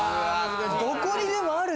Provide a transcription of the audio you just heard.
どこにでもある。